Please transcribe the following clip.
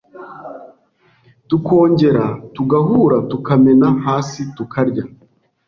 tukongera tugahura tukamena hasi tukarya,